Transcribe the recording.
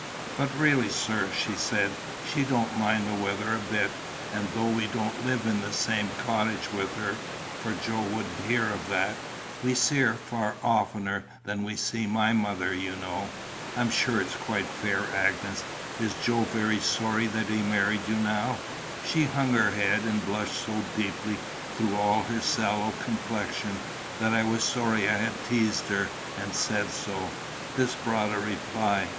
"But really, sir," she said, "she don't mind the weather a bit; and though we don't live in the same cottage with her, for Joe wouldn't hear of that, we see her far oftener than we see my mother, you know." "I'm sure it's quite fair, Agnes. Is Joe very sorry that he married you, now?" She hung her head, and blushed so deeply through all her sallow complexion, that I was sorry I had teased her, and said so. This brought a reply.